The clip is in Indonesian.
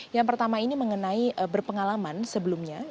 yang pertama ini mengenai berpengalaman sebelumnya